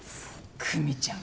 久実ちゃん